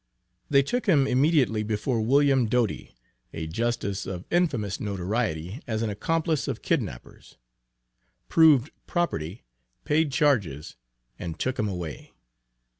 They took him immediately before William Doty, a Justice of infamous notoriety as an accomplice of kidnappers, proved property, paid charges and took him away.